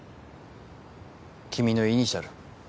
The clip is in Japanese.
君のイニシャル。